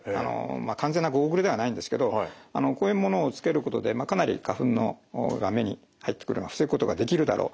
完全なゴーグルではないんですけどこういうものをつけることでかなり花粉が目に入ってくるのを防ぐことができるだろう。